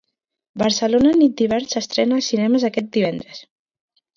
“Barcelona nit d'hivern” s'estrena als cinemes aquest divendres.